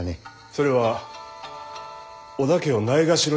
それは織田家をないがしろにすることでは？